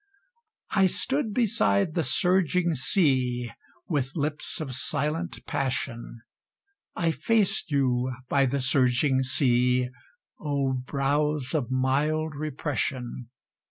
I stood beside the surging sea, with lips of silent passion I faced you by the surging sea, O brows of mild repression!